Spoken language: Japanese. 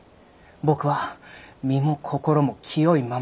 僕は身も心も清いままです。